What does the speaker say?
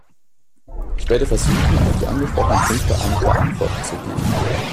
Ich werde versuchen, auf die angesprochenen Punkte ein paar Antworten zu geben.